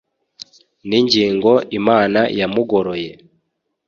n’ingingo imana yamugoroye